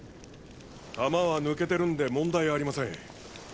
弾は抜けてるんで問題ありません。